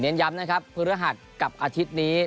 เน้นย้ำนะครับเพื่อระหักกลับอาทิตย์นี้